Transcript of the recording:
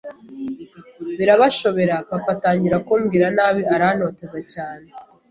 birabashobera, papa atangira kumbwira nabi arantoteza cyane